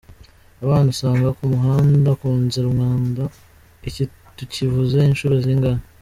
“Abana usanga ku muhanda, ku nzira, umwanda… iki tukivuze inshuro zingahe?